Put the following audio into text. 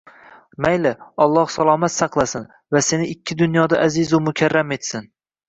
Mayli, Alloh salomat saqlasin va seni ikki dunyoda azizu mukarram etsin!..